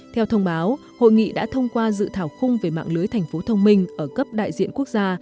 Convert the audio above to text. theo thông báo hội nghị đã thông qua dự thảo khung về mạng lưới thành phố thông minh ở cấp đại diện quốc gia